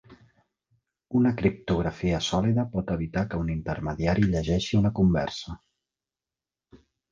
Una criptografia sòlida pot evitar que un intermediari llegeixi una conversa.